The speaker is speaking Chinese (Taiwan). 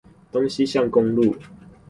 東西向公路